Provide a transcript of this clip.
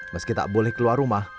meski tak boleh keluar rumah